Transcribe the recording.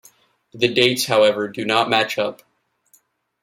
The dates, however, do not match up.